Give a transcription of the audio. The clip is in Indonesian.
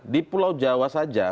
di pulau jawa saja